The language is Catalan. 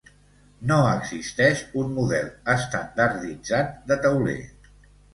No existeix un model estandarditzat de tauler.